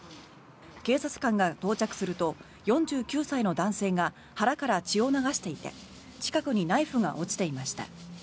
警察官が到着すると４９歳の男性が腹から血を流していて近くにナイフが落ちていました。